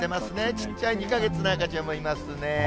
ちっちゃい２か月の赤ちゃんもいますね。